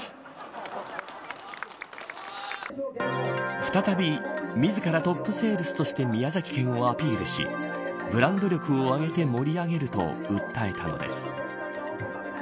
再び自らトップセールスとして宮崎県をアピールしブランド力を上げて盛り上げると訴えたのです。